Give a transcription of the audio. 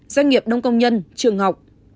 doanh nghiệp đông công nhân trường học